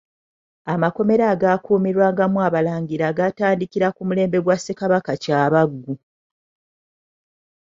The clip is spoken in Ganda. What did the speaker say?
Amakomera agaakuumirwangamu Abalangira gaatandikira ku mulembe gwa Ssekabaka Kyabaggu.